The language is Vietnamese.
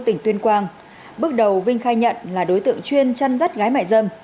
tỉnh tuyên quang bước đầu vinh khai nhận là đối tượng chuyên chăn rắt gái mại dâm